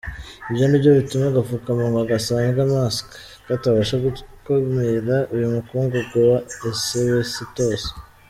Ibi nibyo bituma agapfukamunwa gasanzwe “mask” katabasha gukumira uyu mukungugu wa Asibesitosi.